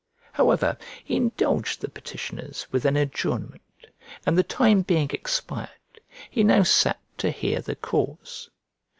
However, he indulged the petitioners with an adjournment, and the time being expired, he now sat to hear the cause.